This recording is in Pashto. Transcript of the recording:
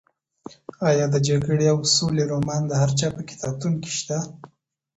ایا د جګړې او سولې رومان د هر چا په کتابتون کې شته؟